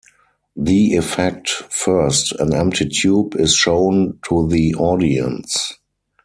The Effect: First, an empty tube is shown to the audience.